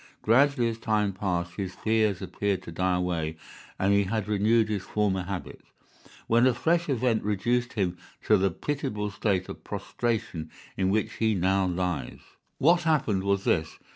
Gradually, as time passed, his fears appeared to die away, and he had renewed his former habits, when a fresh event reduced him to the pitiable state of prostration in which he now lies. "What happened was this.